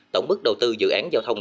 tổng mức đầu tư dự án giao thông